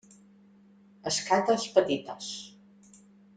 Escates petites.